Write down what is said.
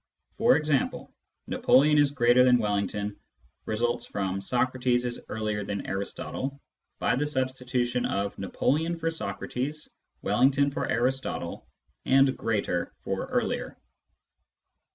For example, " Napoleon is greater than Wellington " results from " Socrates is earlier than Aristotle " by the substitution of "Napoleon" for "Socrates," "Wellington" for "Aristotle," and " greater " for " earlier."